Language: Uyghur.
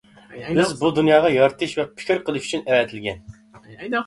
بىز بۇ دۇنياغا يارىتىش ۋە پىكىر قىلىش ئۈچۈن ئەۋەتىلگەن.